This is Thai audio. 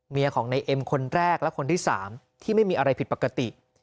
ของในเอ็มคนแรกและคนที่๓ที่ไม่มีอะไรผิดปกติ